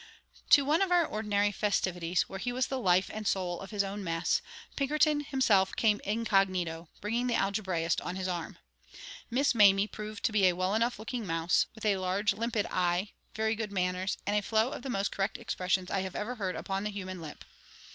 To one of our ordinary festivities, where he was the life and soul of his own mess, Pinkerton himself came incognito, bringing the algebraist on his arm. Miss Mamie proved to be a well enough looking mouse, with a large, limpid eye, very good manners, and a flow of the most correct expressions I have ever heard upon the human lip.